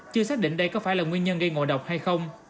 chưa xác định đây có phải là nguyên nhân gây ngộ độc hay không